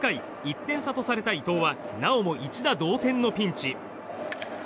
４回、１点差とされた伊藤はなおも一打同点のピンチ。